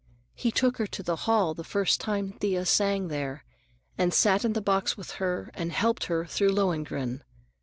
He took her to the hall the first time Thea sang there, and sat in the box with her and helped her through "Lohengrin."